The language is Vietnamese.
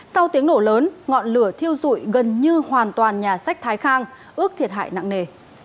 sau tiếng nổ lớn ngọn lửa thiêu dụi gần như hoàn toàn nhà sách thái khang ước thiệt hại nặng nề